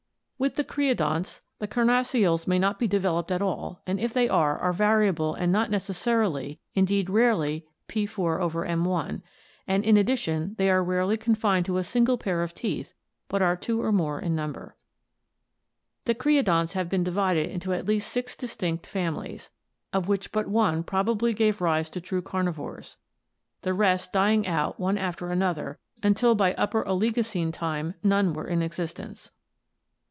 With the cre odonts the carnassials may not be developed at all, and if they are, are variable and not necessarily, indeed rarely ~, and in addition they are rarely confined to a single pair of teeth but are two or more in number. The creodonts have been divided into at least six distinct fami lies, of which but one probably gave rise to true carnivores, the rest dying out one after another until by Upper Oligocene time none were in existence.